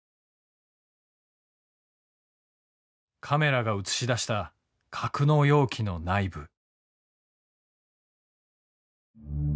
カメラが映し出した格納容器の内部。